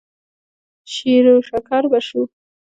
شېروشکر به شو.